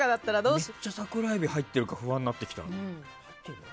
めっちゃ桜エビ入ってるか不安になってきた。